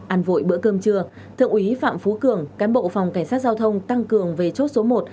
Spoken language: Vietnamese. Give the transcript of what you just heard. ăn vội bữa cơm trưa thượng úy phạm phú cường cán bộ phòng cảnh sát giao thông tăng cường về chốt số một